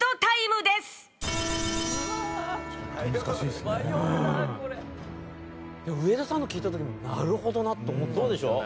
でも上田さんの聞いた時も「なるほどな」と思ったんですよね。